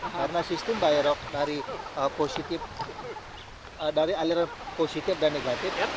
karena sistem bayrok dari aliran positif dan negatif